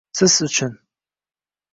Siz uchun!